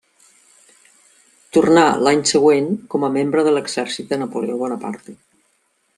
Tornà l'any següent com a membre de l'exèrcit de Napoleó Bonaparte.